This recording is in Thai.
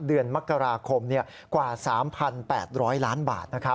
เดือนมกราคมกว่า๓๘๐๐ล้านบาท